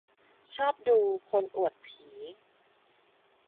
ชอบดู "คนอวดผี"